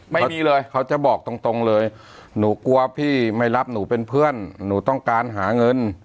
ไม่มีเลยเขาจะบอกตรงเลยหนูกลัวพี่ไม่รับหนูเป็นเพื่อนหนูต้องการหาเงิน